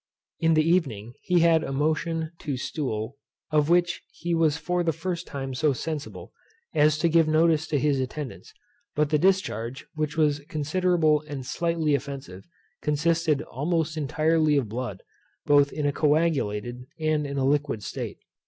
In the evening he had a motion to stool, of which he was for the first time so sensible, as to give notice to his attendants. But the discharge, which was considerable and slightly offensive, consisted almost entirely of blood, both in a coagulated and in a liquid state.